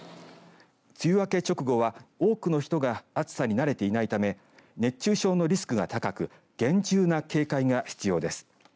梅雨明け直後は多くの人が暑さに慣れていないため熱中症のリスクが高く厳重な警戒が必要です。